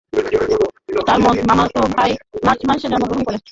তার মামাতো ভাই মার্চ মাসে জন্মগ্রহণ করে।